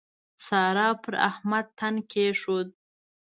سارا پر احمد تن کېښود.